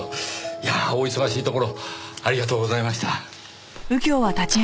いやあお忙しいところありがとうございました。